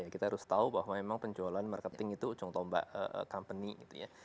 kita harus tahu bahwa memang penjualan marketing itu ujung tombak company gitu ya